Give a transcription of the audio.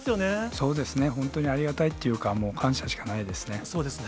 そうですね、本当にありがたいっていうか、もう感謝しかないですね。